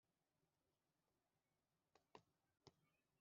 n’ukubyara imfura ikwibutsa ingeso,